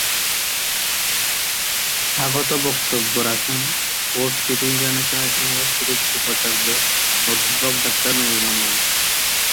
স্বাগত বক্তব্য রাখেন পোর্ট সিটি ইন্টারন্যাশনাল ইউনিভার্সিটির উপাচার্য অধ্যাপক ডাক্তার নূরুল আনোয়ার।